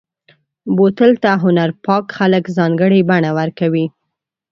بوتل ته هنرپال خلک ځانګړې بڼه ورکوي.